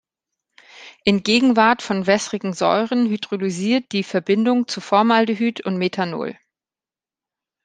In Gegenwart von wässrigen Säuren hydrolysiert die Verbindung zu Formaldehyd und Methanol.